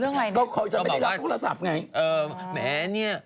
อ๋องอดเรื่องอะไร